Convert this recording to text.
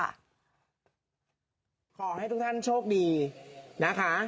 ขอให้ทุกท่านโชคดีนะคะ